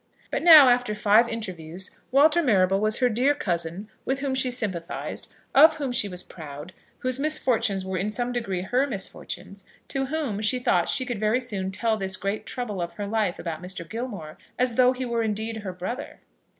But now, after five interviews, Walter Marrable was her dear cousin, with whom she sympathised, of whom she was proud, whose misfortunes were in some degree her misfortunes, to whom she thought she could very soon tell this great trouble of her life about Mr. Gilmore, as though he were indeed her brother.